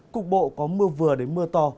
cục bộ có mưa vừa đến mưa to